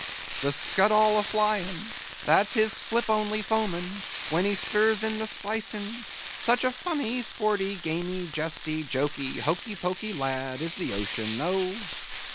The scud all a flyin', That's his flip only foamin'; When he stirs in the spicin',— Such a funny, sporty, gamy, jesty, joky, hoky poky lad, is the Ocean, oh!